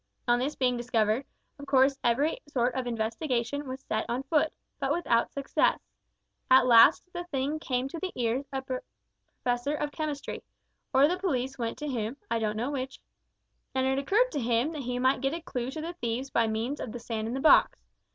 On this being discovered, of course every sort of investigation was set on foot, but without success. At last the thing came to the ears of a professor of chemistry or the police went to him, I don't know which and it occurred to him that he might get a clue to the thieves by means of the sand in the box.